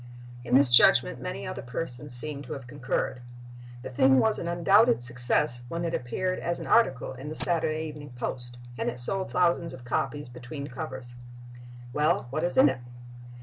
In this judgment many other persons seem to have concurred. The thing was an undoubted success when it appeared as an article in the Saturday Evening Post and it sold thousands of copies between covers. Well, what is in it?